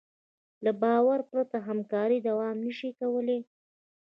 له باور پرته همکاري دوام نهشي کولی.